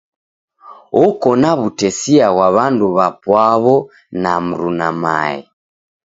Oko na w'utesia ghwa w'andu w'apwaw'o na mruna mae.